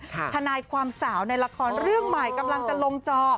ทานายความสาวในลักษณ์เรื่องหมายกำลังจะลงจอ